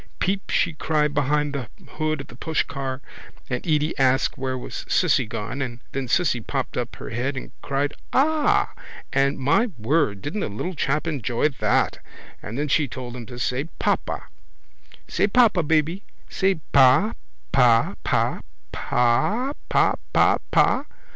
Peep she cried behind the hood of the pushcar and Edy asked where was Cissy gone and then Cissy popped up her head and cried ah! and, my word, didn't the little chap enjoy that! And then she told him to say papa. —Say papa, baby. Say pa pa pa pa pa pa pa.